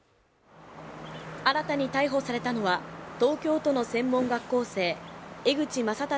新たに逮捕されたのは東京都の専門学校生、江口将匡